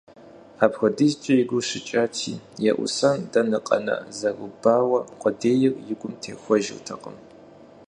Апхуэдизкӏэ и гур щыкӏати, еӏусэн дэнэ къэна, зэрыбауэ къудейр и гум техуэжыртэкъм.